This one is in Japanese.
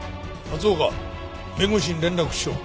松岡弁護士に連絡しろ。